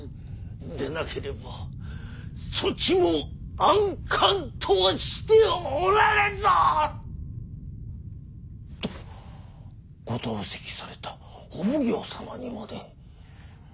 でなければそちも安閑とはしておられんぞ！」。とご同席されたお奉行様にまで。